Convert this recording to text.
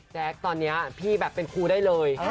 ตอนนี้พี่แบบเป็นครูได้เลย